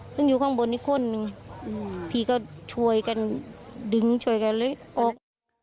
ซึ่งอยู่ข้างบนอีกคนนึงพี่ก็ช่วยกันดึงช่วยกันเลยออก